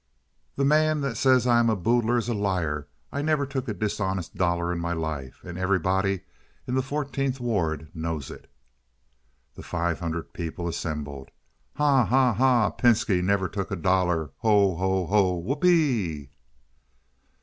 "The man that says I am a boodler is a liar! I never took a dishonest dollar in my life, and everybody in the Fourteenth Ward knows it." The Five Hundred People Assembled. "Ha! ha! ha! Pinski never took a dollar! Ho! ho! ho! Whoop ee!"